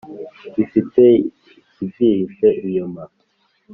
bifite ikibyihishe inyuma.